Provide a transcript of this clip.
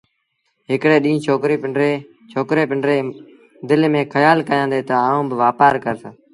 هڪڙي ڏيݩهݩ ڇوڪري پنڊريٚ دل ميݩ کيآل ڪيآݩدي تا آئوݩ با وآپآر ڪرس